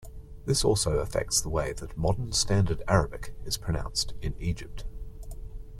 This also affects the way that Modern Standard Arabic is pronounced in Egypt.